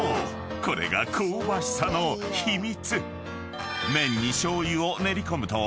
これが香ばしさの秘密］